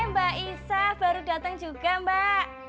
eh mbak isha baru datang juga mbak